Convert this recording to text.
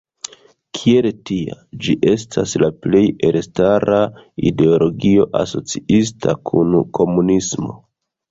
Kiel tia, ĝi estas la plej elstara ideologio asociita kun komunismo.